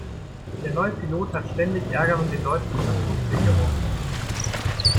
Der neue Pilot hat ständig Ärger mit den Leuten von der Flugsicherung.